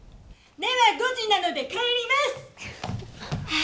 では５時なので帰ります！